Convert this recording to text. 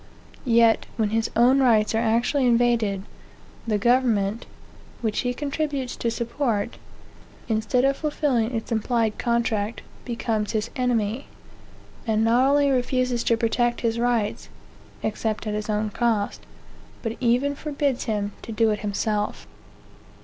Yet, when his own rights are actually invaded, the government, which he contributes to support, instead of fulfilling its implied contract, becomes his enemy, and not only refuses to protect his rights, (except at his own cost,) but even forbids him to do it himself.